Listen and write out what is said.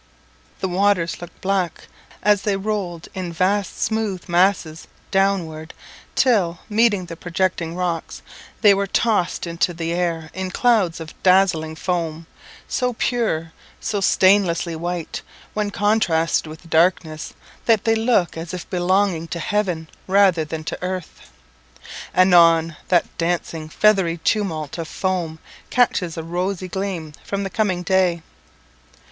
The waters looked black as they rolled in vast smooth masses downward, till, meeting the projecting rocks, they were tossed high into the air in clouds of dazzling foam so pure, so stainlessly white, when contrasted with the darkness, that they looked as if belonging to heaven rather than to earth. Anon, that dancing feathery tumult of foam catches a rosy gleam from the coming day.